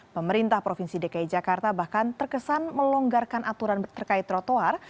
pemerintah provinsi dki jakarta bahkan terkesan melonggarkan aturan terkait trotoar